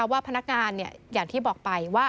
ว่าพนักงานอย่างที่บอกไปว่า